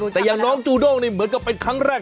แต่อย่างน้องจูด้งนี่เหมือนกับเป็นครั้งแรก